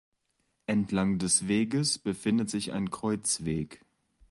Entlang des Weges befindet sich ein Kreuzweg.